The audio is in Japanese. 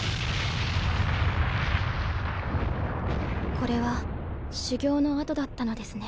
これは修行の跡だったのですね。